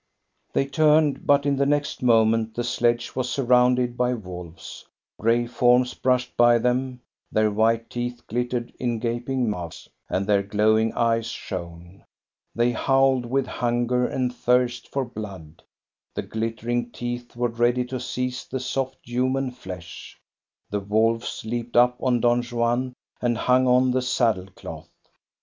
They turned, but in the next moment the sledge was surrounded by wolves. Gray forms brushed by them, their white teeth glittered in gaping mouths, and their glowing eyes shone. They howled with hunger and thirst for blood. The glittering teeth were ready to seize the soft human flesh. The wolves leaped up on Don Juan, and hung on the saddle cloth.